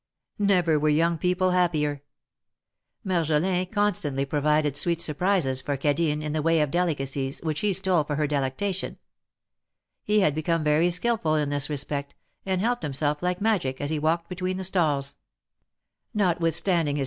Never were young people happier. Marjolin constantly provided sweet surprises for Cadine in the way of delica cies, which he stole for her delectation. He had become very skilful in this respect, and helped himself like magic, as he walked between the stalls. Notwithstanding his THE MARKETS OF PARIS.